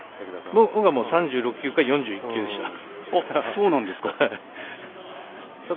僕は３６球か４１球でした。